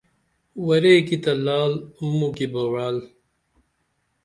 ورے کی تہ لعل موکی بہ وعل